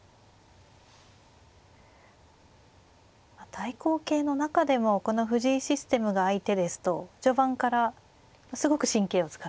対抗型の中でもこの藤井システムが相手ですと序盤からすごく神経を使って。